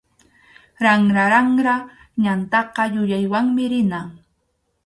Ranraranra ñantaqa yuyaywanmi rina.